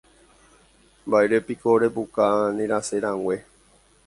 Mba'érepiko repuka nerasẽrãngue.